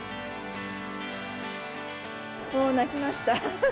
もう泣きました。